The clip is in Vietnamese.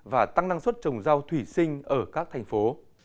và tăng năng suất trồng rau thủy sinh ở các thành phố